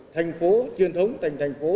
thành phố truyền thống thành thành phố